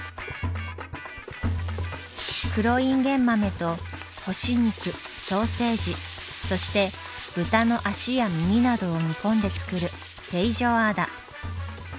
黒インゲン豆と干し肉ソーセージそして豚の足や耳などを煮込んで作るフェイジョアーダ。